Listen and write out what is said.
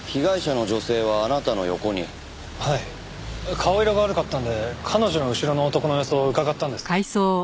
顔色が悪かったんで彼女の後ろの男の様子をうかがったんです。